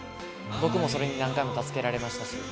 僕もそれに何回も助けられましたし。